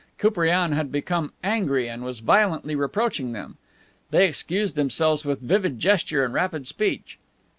Koupriane had become angry and was violently reproaching them. They excused themselves with vivid gesture and rapid speech.